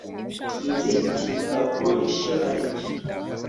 nzi icyo gipapuro icyo aricyo